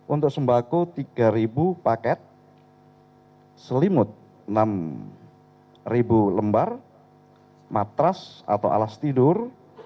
untuk sembako tiga paket selimut enam lembar matras atau alas tidur